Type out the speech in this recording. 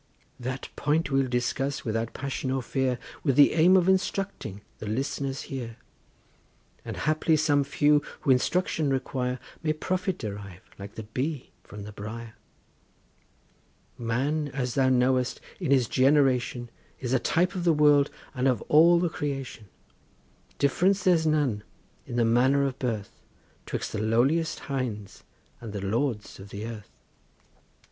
That point we'll discuss without passion or fear With the aim of instructing the listeners here; And haply some few who instruction require May profit derive like the bee from the briar. Man as thou knowest, in his generation Is a type of the world and of all the creation; Difference there's none in the manner of birth 'Twixt the lowliest hinds and the lords of the earth.